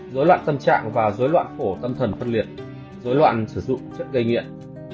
dối loạn tâm trạng và dối loạn phổ tâm thần phân liệt dối loạn sử dụng chất gây nghiện